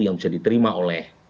yang bisa diterima oleh